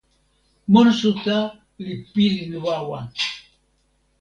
monsuta li pilin wawa!